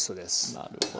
なるほど。